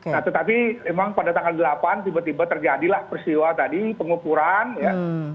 nah tetapi memang pada tanggal delapan tiba tiba terjadilah peristiwa tadi pengukuran ya